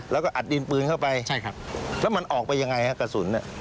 แล้วก็อัดดินปืนเข้าไปใช่ครับแล้วมันออกไปยังไงฮะกระสุน